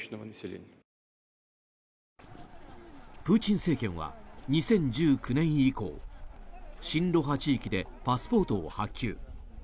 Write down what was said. プーチン政権は２０１９年以降親ロ派地域でパスポートを発給。